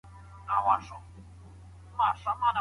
په لاس لیکلنه د معلوماتو تنظیمول اسانه کوي.